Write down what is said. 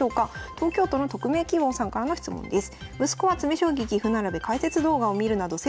東京都の匿名希望さんからの質問です。